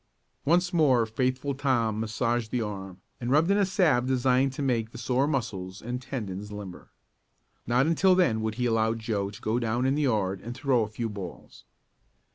Once more faithful Tom massaged the arm, and rubbed in a salve designed to make the sore muscles and tendons limber. Not until then would he allow Joe to go down in the yard and throw a few balls.